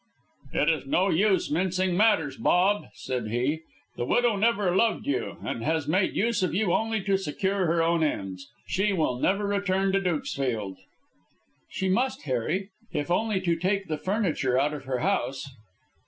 "It is no use mincing matters, Bob," said he, "the widow never loved you, and has made use of you only to secure her own ends. She will never return to Dukesfield." "She must, Harry; if only to take the furniture out of her house."